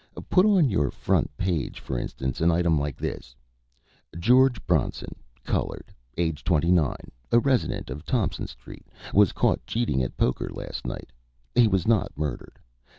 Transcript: "Put on your front page, for instance, an item like this: 'George Bronson, colored, aged twenty nine, a resident of Thompson Street, was caught cheating at poker last night. He was not murdered.'